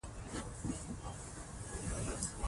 په ننی نړۍ کي او د پښتو ژبي په پخواني تیر لرغوني